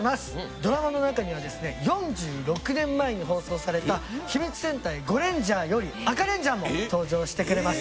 ドラマの中にはですね４６年前に放送された『秘密戦隊ゴレンジャー』よりアカレンジャーも登場してくれます。